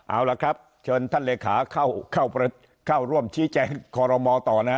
เอาล่ะครับเชิญท่านเลขาเข้าร่วมชี้แจงคอรมอต่อนะ